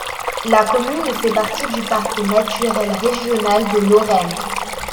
La commune fait partie du Parc naturel régional de Lorraine.